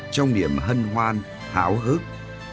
trong niềm hân hoan hào hức